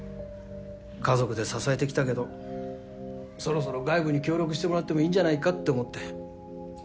家族で支えてきたけどそろそろ外部に協力してもらってもいいんじゃないかって思って。